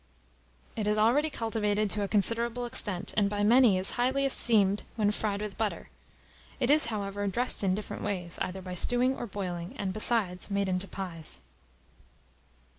It is already cultivated to a considerable extent, and, by many, is highly esteemed when fried with butter. It is, however, dressed in different ways, either by stewing or boiling, and, besides, made into pies.